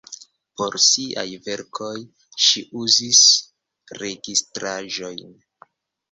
Por siaj verkoj ŝi uzis registraĵojn.